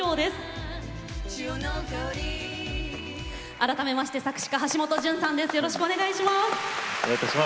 改めまして作詞家・橋本淳さんです。